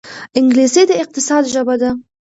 انګلیسي د اقتصاد ژبه ده